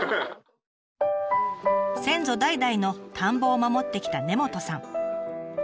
先祖代々の田んぼを守ってきた根本さん。